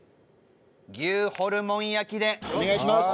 牛ホルモン焼でお願いします。